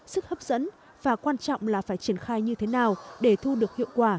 sức hấp dẫn và quan trọng là phải triển khai như thế nào để thu được hiệu quả